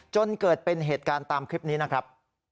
จนเกิดเป็นเหตุการณ์ตามคลิปนี้นะครับ